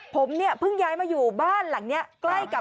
ซีเนียล่ะ